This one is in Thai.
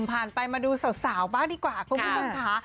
ไปมาดูสาวบ้างดีกว่าคุณผู้ชมค่ะ